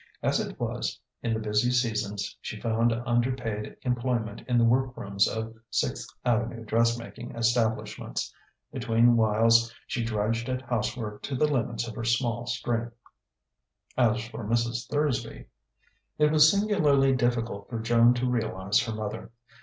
As it was, in the busy seasons she found underpaid employment in the workrooms of Sixth Avenue dressmaking establishments; between whiles she drudged at housework to the limits of her small strength. As for Mrs. Thursby.... It was singularly difficult for Joan to realize her mother.